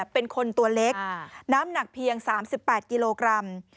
เป็นคนตัวเล็กน้ำหนักเพียง๓๘กิโลกรัม